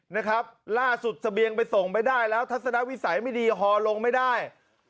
นะครับล่าสุดเสบียงไปส่งไม่ได้แล้วทัศนวิสัยไม่ดีฮอลงไม่ได้